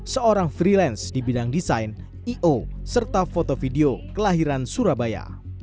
seorang freelance di bidang desain i o serta foto video kelahiran surabaya